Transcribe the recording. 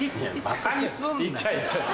バカにすんなよ。